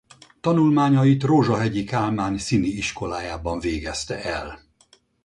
Tanulmányait Rózsahegyi Kálmán színiiskolájában végezte el.